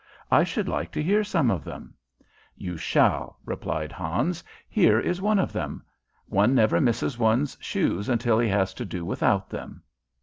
"I should like to hear some of them." "You shall," replied Hans. "Here is one of them: 'One never misses one's shoes until he has to do without them.'